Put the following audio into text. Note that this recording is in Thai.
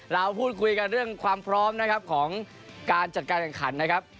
เราพูดคุยกันเรื่องความพร้อมนะครับของการจัดการแข่งขันนะครับ